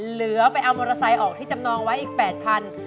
เหลือไปเอามอเตอร์ไซค์ออกที่จำนองไว้อีก๘คัน